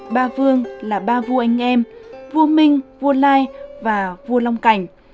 ba vương là ba vua anh em vua minh vua lai và vua long cảnh